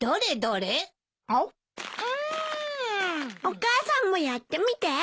お母さんもやってみて。